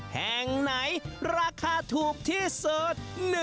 แห่งไหนราคาถูกที่สุด